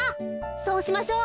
そうしましょう。